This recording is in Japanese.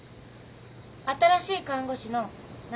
新しい看護師の仲